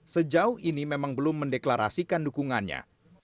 sejauh ini memang belum mendeklarasikan dukungannya